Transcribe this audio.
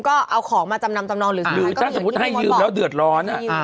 ก็เอาของมาจำนำจำนองหรือสมัยหรือถ้าให้ยืมแล้วเดือดร้อน